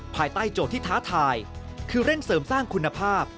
ภายใต้โจทย์ที่ท้าทายคือเร่งเสริมสร้างคุณภาพ